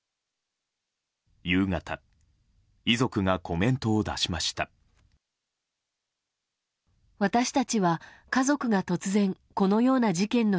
夕方、遺族がコメントを出しました。